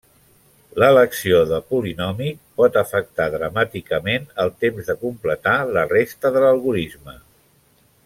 L'elecció de polinòmic pot afectar dramàticament el temps de completar la resta de l'algorisme.